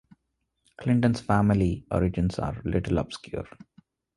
Clinton's family origins are a little obscure.